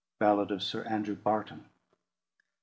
BALLAD of Sir Andrew Barton.